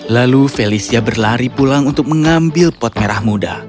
lalu felicia berlari pulang untuk mengambil pot merah muda